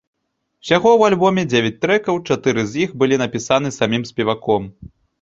Усяго ў альбоме дзевяць трэкаў, чатыры з іх былі напісаны самім спеваком.